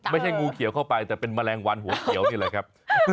ไม่ใช่งูเขียวเข้าไปแต่เป็นแมลงวันหัวเขียวนี่แหละครับ